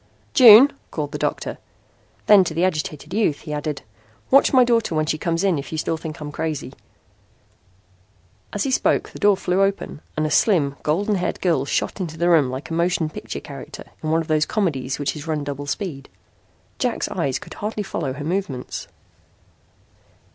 "June," called the doctor. Then to the agitated youth he added: "Watch my daughter when she comes in if you still think I'm crazy." As he spoke the door flew open and a slim, golden haired girl shot into the room like a motion picture character in one of those comedies which is run double speed. Jack's eyes could hardly follow her movements.